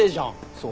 そう。